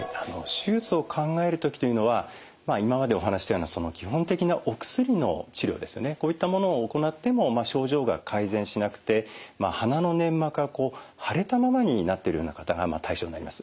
手術を考える時というのは今までお話ししたような基本的なお薬の治療ですねこういったものを行っても症状が改善しなくて鼻の粘膜が腫れたままになってるような方が対象になります。